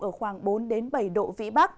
ở khoảng bốn bảy độ vĩ bắc